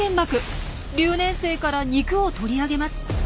留年生から肉を取り上げます。